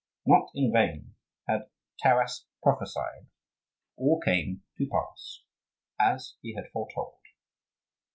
Not in vain had Taras prophesied: all came to pass as he had foretold.